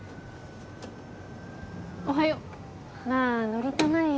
おはようまぁ乗りたまえよ。